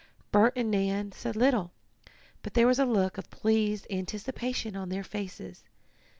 Bert and Nan said little, but there was a look of pleased anticipation on their faces.